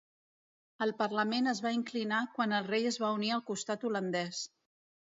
El parlament es va inclinar quan el rei es va unir al costat holandès.